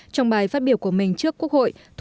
trong bài phát biểu của mình trước quốc hội